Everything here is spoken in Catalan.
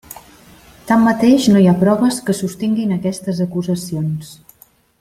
Tanmateix no hi ha proves que sostinguin aquestes acusacions.